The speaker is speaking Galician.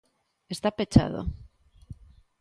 Está pechado.